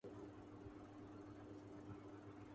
spot fixing case Salman Naseer نے ناصر جمشید کیخلاف گواہی دے دی